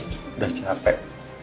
tadi udah berubah ubah ya pak